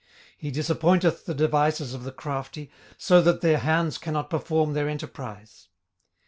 18:005:012 He disappointeth the devices of the crafty, so that their hands cannot perform their enterprise.